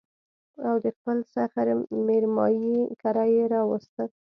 او د خپل سخر مېرمايي کره يې راوسته